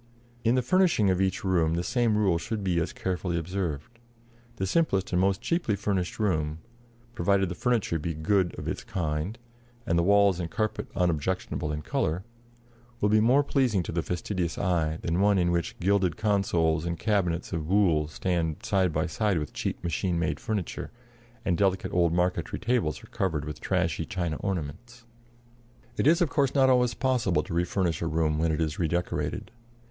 In the furnishing of each room the same rule should be as carefully observed. The simplest and most cheaply furnished room (provided the furniture be good of its kind, and the walls and carpet unobjectionable in color) will be more pleasing to the fastidious eye than one in which gilded consoles and cabinets of buhl stand side by side with cheap machine made furniture, and delicate old marquetry tables are covered with trashy china ornaments. [Illustration: PLATE VIII. FRENCH BERGÈRE, LOUIS XVI PERIOD.] It is, of course, not always possible to refurnish a room when it is redecorated.